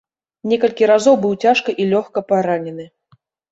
Некалькі разоў быў цяжка і лёгка паранены.